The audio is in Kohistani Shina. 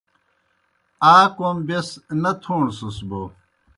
آ کوْم بیْس نہ تھوݨسَس بوْ